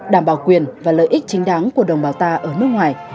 đảm bảo quyền và lợi ích chính đáng của đồng bào ta ở nước ngoài